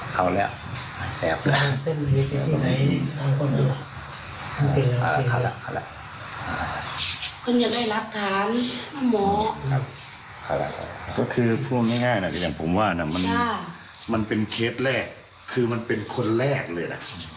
ก็คือพูดง่ายนะคืออย่างผมว่านะมันเป็นเคสแรกคือมันเป็นคนแรกเลยนะ